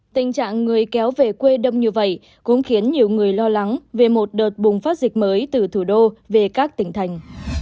tình trạng người kéo về quê đông như vậy cũng khiến nhiều người lo lắng về một đợt bùng phát dịch mới từ thủ đô về các tỉnh thành